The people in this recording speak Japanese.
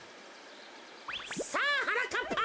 さあはなかっぱ。